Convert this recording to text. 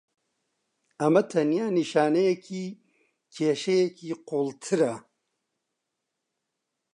ئەمە تەنیا نیشانەیەکی کێشەیەکی قوڵترە.